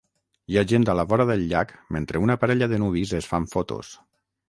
Hi ha gent a la vora del llac mentre una parella de nuvis es fan fotos.